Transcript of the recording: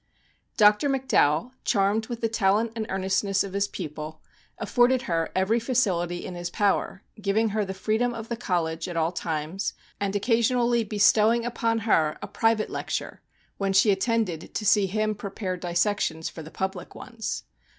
Dr. McDowell, charmed with the talent and earnestness of his pupil, afforded her every facility in his power, giving her the freedom of the college at all times, and oc casionally bestowing upon her a private lecture, when she attended to see him pre pare dissections for the public ones.